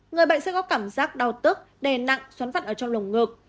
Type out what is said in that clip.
người bệnh sẽ có cảm giác đau tức đè nặng xoắn vặt ở trong lồng ngực